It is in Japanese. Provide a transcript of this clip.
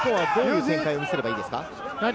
ここから日本はどういう展開を見せればいいですか？